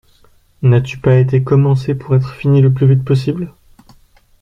N’as-tu pas été commencée pour être finie le plus vite possible ?